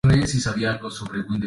Tomoki Hidaka